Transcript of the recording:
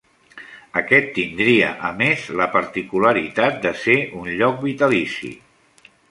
Aquest tindria, a més, la particularitat de ser un lloc vitalici.